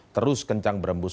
terus kencang berembus